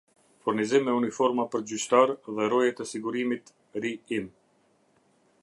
Furnizim me Uniforma për Gjyqtar, dhe Roje te Sigurimit, Ri im